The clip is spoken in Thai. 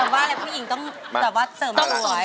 ผมว่าอะไรผู้หญิงต้องเติมสวย